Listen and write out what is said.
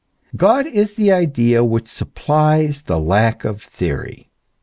God is the idea which supplies the lack of theory.